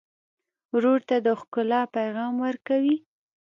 ورور ته د ښکلا پیغام ورکوې.